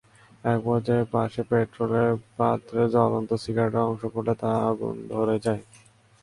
একপর্যায়ে পাশের পেট্রলের পাত্রে জ্বলন্ত সিগারেটের অংশ পড়লে এতে আগুন ধরে যায়।